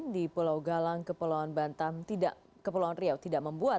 di pulau galang kepulauan riau tidak membuat